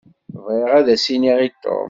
Bɣiɣ ad as-iniɣ i Tom.